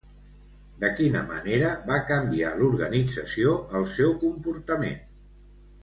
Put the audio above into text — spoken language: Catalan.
De quina manera va canviar l'organització el seu comportament?